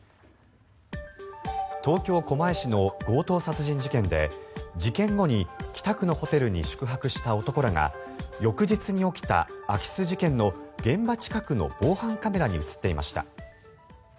東京・狛江市の強盗殺人事件で事件後に北区のホテルに宿泊した男らが翌日に起きた空き巣事件の現場近くの防犯カメラに映っていました。